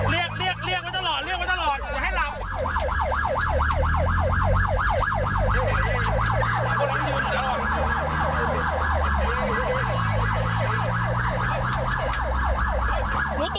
เรียกเรียกไว้ตลอดเรียกไว้ตลอดอย่าให้หลับ